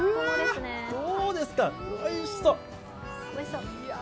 どうですか、おいしそう！